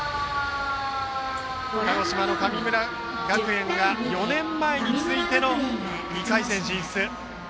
鹿児島の神村学園は４年前に続いての２回戦進出。